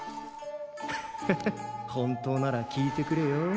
ハハッ本当なら効いてくれよ。